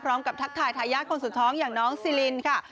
ทักทายทายาทคนสุดท้องอย่างน้องซีลินค่ะ